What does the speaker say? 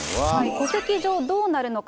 戸籍上、どうなるのか。